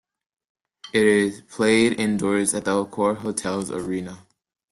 It is played indoors at the AccorHotels Arena.